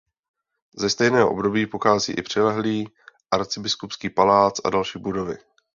Ze stejného období pochází i přilehlý arcibiskupský palác a další budovy.